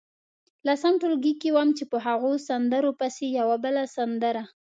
لسم ټولګي کې وم چې په هغو سندرو پسې یوه بله سندره.